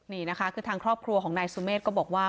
นี่นะคะคือทางครอบครัวของนายสุเมฆก็บอกว่า